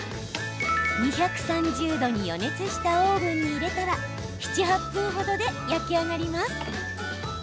２３０度に予熱したオーブンに入れたら７、８分ほどで焼き上がります。